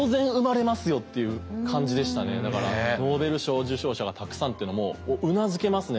だからノーベル賞受賞者がたくさんってのもうなずけますね